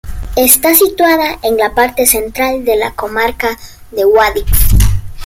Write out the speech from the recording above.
Está situada en la parte central de la comarca de Guadix.